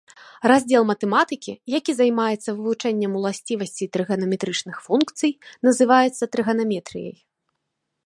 Раздзел матэматыкі, які займаецца вывучэннем уласцівасцей трыганаметрычных функцый, называецца трыганаметрыяй.